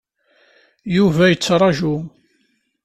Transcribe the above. Yuba yettraǧu.